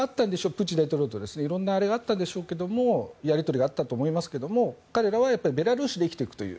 プーチン大統領と色んなあれがあったんでしょうがやり取りがあったと思いますが彼らはベラルーシで生きていくという。